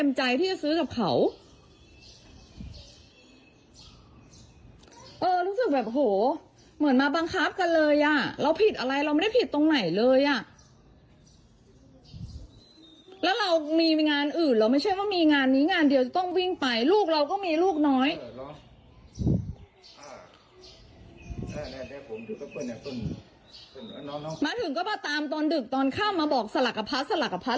มาถึงก็มาตามตอนดึกตอนข้ามมาบอกสลากพลัสสลากพลัส